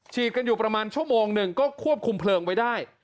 กันอยู่ประมาณชั่วโมงหนึ่งก็ควบคุมเพลิงไว้ได้